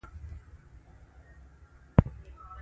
اوس سودا اخلو